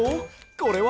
これは？